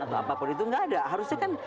atau apapun itu nggak ada harusnya kan